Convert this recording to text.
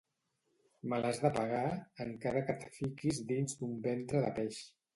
Me l'has de pagar, encara que et fiquis dins d'un ventre de peix.